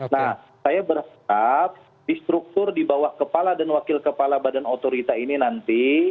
nah saya berharap di struktur di bawah kepala dan wakil kepala badan otorita ini nanti